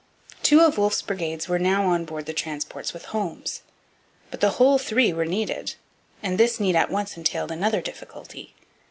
Two of Wolfe's brigades were now on board the transports with Holmes. But the whole three were needed; and this need at once entailed another difficulty.